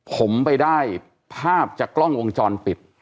ผมไปได้ภาพจากกล้องวงจรปิด